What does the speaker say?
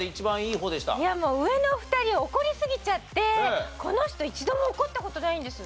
いやもう上の２人怒りすぎちゃってこの人一度も怒った事ないんです。